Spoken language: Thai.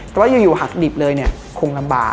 แต่ว่ายู่หักดิบเลยคงลำบาก